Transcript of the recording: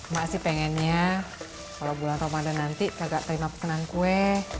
mak sih pengennya kalau bulan ramadan nanti agak terima perkenan kue